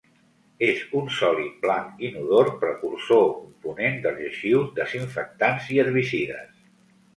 És un sòlid blanc inodor precursor o component dels lleixius, desinfectants i herbicides.